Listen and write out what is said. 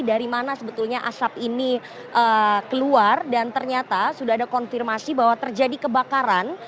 dari mana sebetulnya asap ini keluar dan ternyata sudah ada konfirmasi bahwa terjadi kebakaran